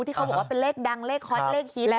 ที่เขาบอกว่าเป็นเลขดังเลขฮอตเลขฮีแลน